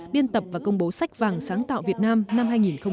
biên tập và công bố sách vàng sáng tạo việt nam năm hai nghìn một mươi chín